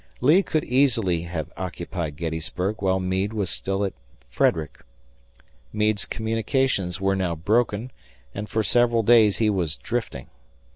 Lee could easily have occupied Gettysburg while Meade was still at Frederick. Meade's communications were now broken, and for several days he was drifting.